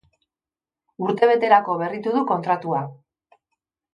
Urtebeterako berritu du kontratua.